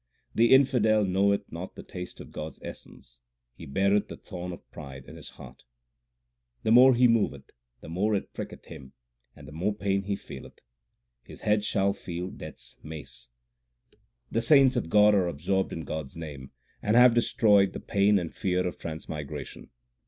The infidel knoweth not the taste of God s essence ; he beareth the thorn of pride in his heart. The more he moveth, the more it pricketh him, and the more pain he feeleth : his head shall feel death s mace. 1 The body. S 2 260 THE SIKH RELIGION The saints of God are absorbed in God s name, and have destroyed the pain and fear of transmigration.